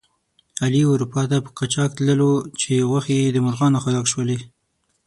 علي اروپا ته په قاچاق تللو چې غوښې د مرغانو خوراک شولې.